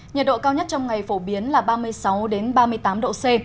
nhiệt độ cao nhất trong ngày phổ biến là ba mươi sáu ba mươi tám độ c